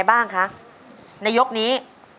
ยิ่งเสียใจ